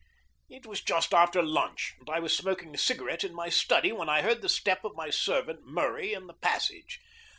It was just after lunch, and I was smoking a cigarette in my study, when I heard the step of my servant Murray in the passage.